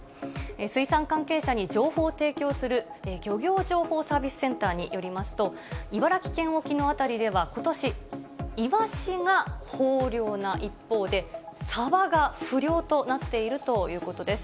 水産関係者に情報を提供する漁業情報サービスセンターによりますと、茨城県沖の辺りでは、ことし、イワシが豊漁な一方で、サバが不漁となっているということです。